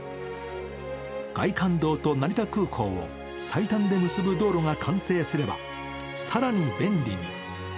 外環道と成田空港を最短で結ぶ道路が完成すれば更に便利に。